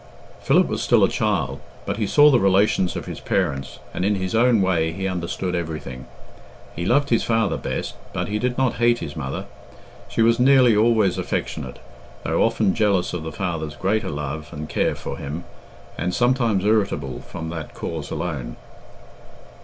Philip was still a child, but he saw the relations of his parents, and in his own way he understood everything. He loved his father best, but he did not hate his mother. She was nearly always affectionate, though often jealous of the father's greater love and care for him, and sometimes irritable from that cause alone.